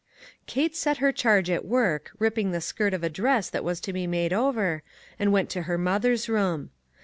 Kate set her charge at work, ripping the skirt of a dress that was to be made over, and went to her mother's room.